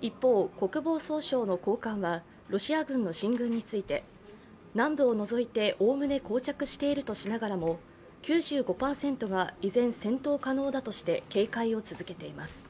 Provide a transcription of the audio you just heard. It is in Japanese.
一方、国防総省の高官はロシア軍の進軍について南部を除いておおむねこう着しているとしながらも、９５％が依然戦闘可能だとして警戒を続けています。